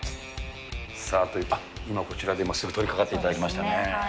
今、こちらですぐ取りかかっていただきましたね。